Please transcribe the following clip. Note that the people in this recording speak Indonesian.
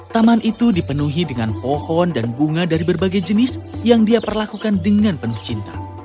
taman itu dipenuhi dengan pohon dan bunga dari berbagai jenis yang dia perlakukan dengan penuh cinta